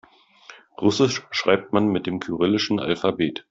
Russisch schreibt man mit dem kyrillischen Alphabet.